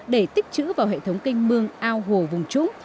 để tích chữ vào hệ thống kinh mương ao hồ vùng trúng